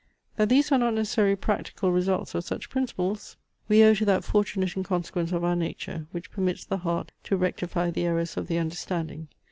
That these are not necessary practical results of such principles, we owe to that fortunate inconsequence of our nature, which permits the heart to rectify the errors of the understanding.